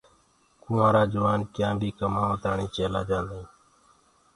ڪنٚوُآرآ نوجوآن ڪيآئينٚ بي ڪمآوآ تآڻي چيلآ جآندآ هينٚ۔